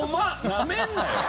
なめんなよ。